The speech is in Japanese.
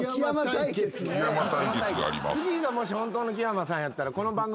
次もし本当の木山さんやったら。